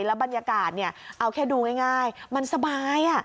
แล้วบรรยากาศเอาแค่ดูง่ายมันสบาย